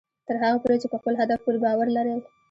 تر هغه پورې چې په خپل هدف پوره باور لرئ